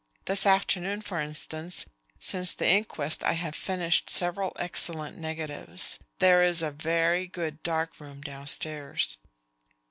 This afternoon, for instance, since the inquest, I have finished several excellent negatives. There is a very good dark room downstairs."